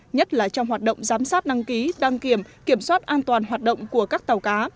nhất là trong hoạt động giám sát đăng ký đăng kiểm kiểm soát an toàn hoạt động của các tàu cá